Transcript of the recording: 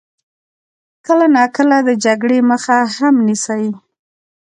کله ناکله د جګړې مخه هم نیسي.